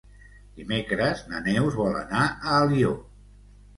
Dimecres na Neus vol anar a Alió.